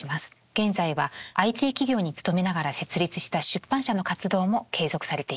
現在はＩＴ企業に勤めながら設立した出版社の活動も継続されています。